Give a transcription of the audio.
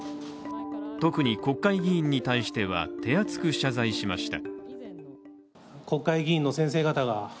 特に国会議員に対しては手厚く謝罪しました。